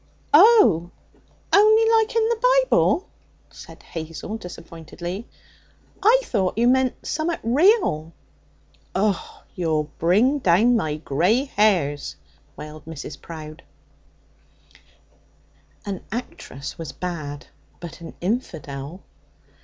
'Oh! only like in the Bible,' said Hazel disappointedly. 'I thought you meant summat real.' 'Oh! You'll bring down my grey hairs,' wailed Mrs. Prowde. An actress was bad, but an infidel!